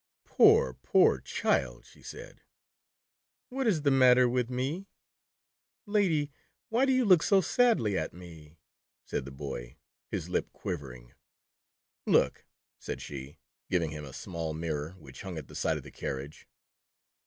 " Poor, poor child," she said. "What is the matter with me ; Lady, why do you look so sadly at me?" said the Boy, his lip quivering. Look," said she, giving him a small mirror which hung at the side of the carriage.